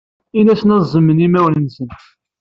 In-asen ad zemmen imawen-nsen.